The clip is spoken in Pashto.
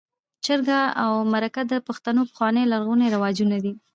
جرګه او مرکه د پښتنو پخواني او لرغوني رواجونه دي.